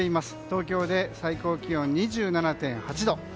東京で最高気温２７．８度。